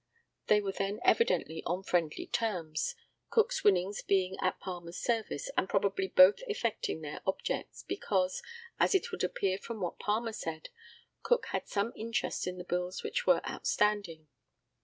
They were then evidently on friendly terms, Cook's winnings being at Palmer's service, and probably both effecting their objects, because, as it would appear from what Palmer said, Cook had some interest in the bills which were outstanding.